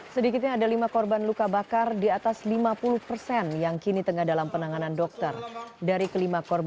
sedikitnya ada lima korban luka bakar di atas lima puluh persen yang kini tengah dalam penanganan dokter